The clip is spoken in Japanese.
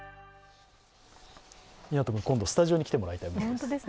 湊君、今度スタジオに来てもらいたいものです。